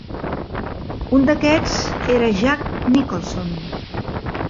Un d'aquests era Jack Nicholson.